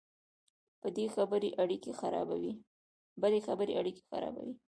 بدې خبرې اړیکې خرابوي